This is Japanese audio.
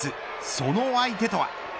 その相手とは。